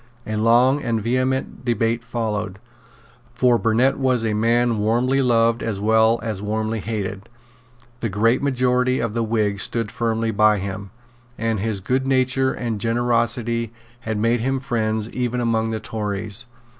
A long and vehement debate followed. For Burnet was a man warmly loved as well as warmly hated. The great majority of the Whigs stood firmly by him; and his goodnature and generosity had made him friends even among the Tories.